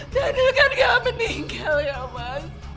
dan daniel kan gak meninggal ya mas